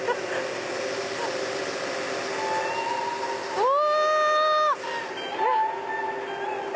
うわ！